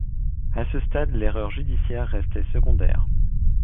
À ce stade, l'erreur judiciaire restait secondaire.